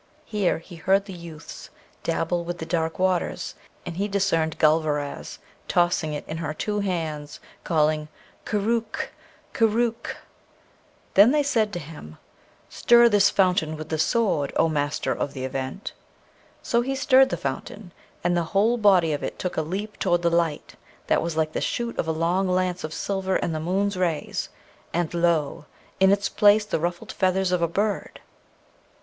Here he heard the youths dabble with the dark waters, and he discerned Gulrevaz tossing it in her two hands, calling, 'Koorookh! Koorookh!' Then they said to him, 'Stir this fountain with the Sword, O Master of the Event!' So he stirred the fountain, and the whole body of it took a leap toward the light that was like the shoot of a long lance of silver in the moon's rays, and lo! in its place the ruffled feathers of a bird.